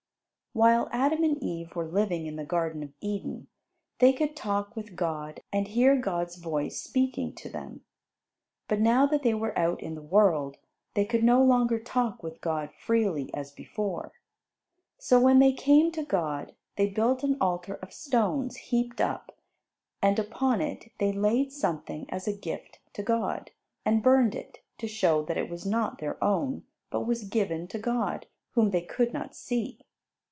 While Adam and Eve were living in the Garden of Eden, they could talk with God and hear God's voice speaking to them. But now that they were out in the world, they could no longer talk with God freely, as before. So when they came to God, they built an altar of stones heaped up, and upon it, they laid something as a gift to God, and burned it, to show that it was not their own, but was given to God, whom they could not see.